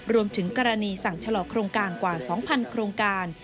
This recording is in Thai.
รวมถึงกรณีสั่งฉลอกโครงการกว่า๒๐๐โครงการ